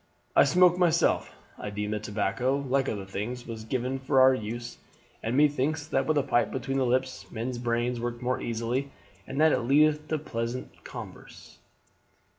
"I smoke myself; I deem that tobacco, like other things, was given for our use, and methinks that with a pipe between the lips men's brains work more easily and that it leadeth to pleasant converse."